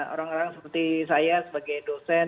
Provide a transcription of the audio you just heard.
orang orang seperti saya sebagai dosen